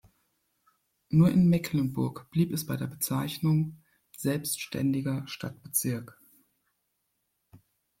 Nur in Mecklenburg blieb es bei der Bezeichnung "selbständiger Stadtbezirk".